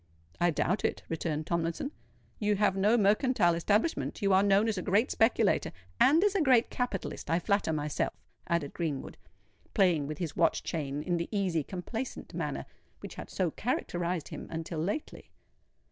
"I doubt it," returned Tomlinson. "You have no mercantile establishment—you are known as a great speculator——" "And as a great capitalist, I flatter myself," added Greenwood, playing with his watch chain in the easy complacent manner which had so characterised him until lately.